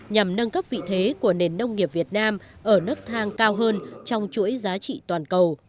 nhằm nâng cấp vị thế của nền nông nghiệp việt nam ở nước thang cao hơn trong chuỗi giá trị toàn cầu